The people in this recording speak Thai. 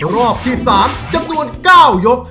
รอบที่๓จำนวน๙ยก